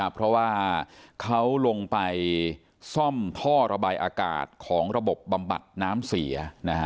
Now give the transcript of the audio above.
เพราะว่าเขาลงไปซ่อมท่อระบายอากาศของระบบบำบัดน้ำเสีย